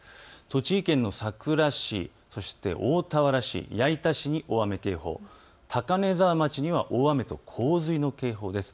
栃木県のさくら市、そして大田原市、矢板市に大雨警報、高根沢町には大雨と洪水の警報です。